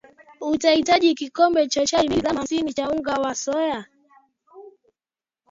Utahitaji Kikombe cha chai mbili gram hamsini cha unga wa soya